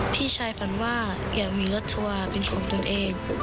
พี่ชายฝันว่าอยากมีรถชาวาเป็นของตนเอง